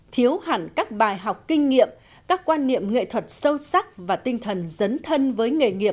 thiếu hẳn các bài học kinh nghiệm các quan niệm nghệ thuật sâu sắc và tinh thần dấn thân với nghề nghiệp